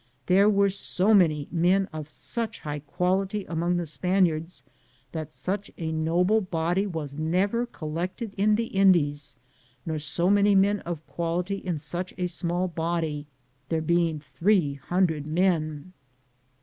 There were so many men of such high quality among the Span iards, that such a noble body was never col lected in the Indies, nor so many men of quality in such a small body, there being 300 men.